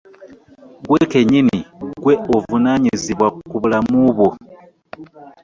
Ggwe kennyini ggwe ovunaanyizibwa ku bulamu bwo.